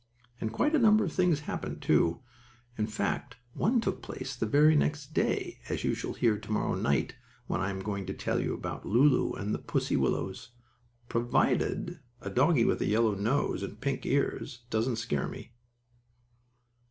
And quite a number of things happened, too. In fact, one took place the very next day, as you shall hear to morrow night, when I am going to tell you about Lulu and the pussy willows, provided a doggie with a yellow nose and pink ears doesn't scare me.